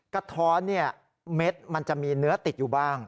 กระท้อนเนี่ยเม็ดมันจะมีเนื้อติดอยู่บ้าง